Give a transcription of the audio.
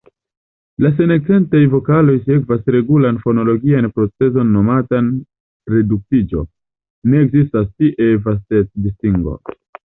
La senakcentaj vokaloj sekvas regulan fonologian procezon nomatan reduktiĝo: ne ekzistas tie vastec-distingo.